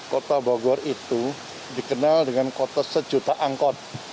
kota bogor itu dikenal dengan kota sejuta angkot